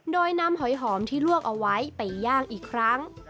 โดยนำหอยหอมที่ลวกเอาไว้ไปย่างอีกครั้ง